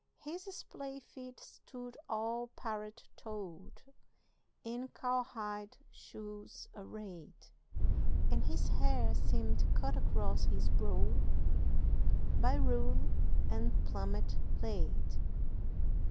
His splay feet stood all parrot toed In cowhide shoes arrayed, And his hair seemed cut across his brow By rule and plummet laid.